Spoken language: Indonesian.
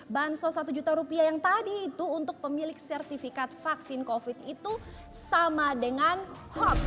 bansos satu juta rupiah yang tadi itu untuk pemilik sertifikat vaksin covid itu sama dengan hoax